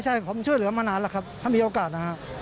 ใช่ผมช่วยเหลือมานานแล้วครับถ้ามีโอกาสนะฮะ